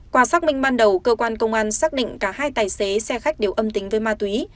qua xác minh ban đầu cơ quan công an xác định cả hai tài xế xe khách đều âm tính với ma túy